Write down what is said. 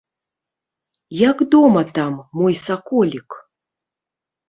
Як дома там, мой саколік?